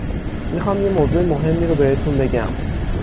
میخوام یه موضوع مهمی رو بهتون بگم.